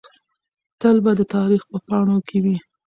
تل به د تاریخ په پاڼو کې وي.